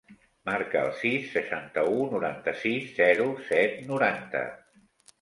Marca el sis, seixanta-u, noranta-sis, zero, set, noranta.